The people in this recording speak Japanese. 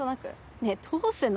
ねぇどうすんの？